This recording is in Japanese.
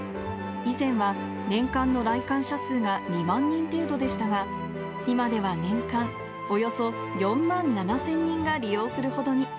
以前は、年間の来館者数が２万人程度でしたが、今では年間およそ４万７０００人が利用するほどに。